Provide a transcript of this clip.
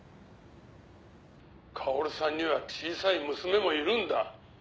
「薫さんには小さい娘もいるんだ」